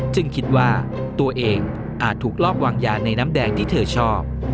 คิดว่าตัวเองอาจถูกลอบวางยาในน้ำแดงที่เธอชอบ